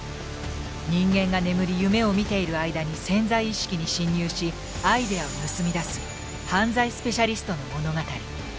人間が眠り夢を見ている間に潜在意識に侵入しアイデアを盗み出す犯罪スペシャリストの物語。